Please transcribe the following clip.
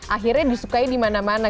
akhirnya disukai di mana mana